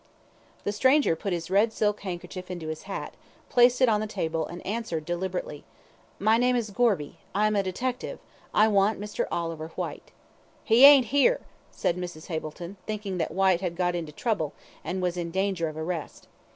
The stranger put his red silk handkerchief into his hat, placed it on the table, and answered deliberately "My name is Gorby. I am a detective. I want Mr. Oliver Whyte." "He ain't here," said Mrs. Hableton, thinking that Whyte had got into trouble, and was in danger of arrest.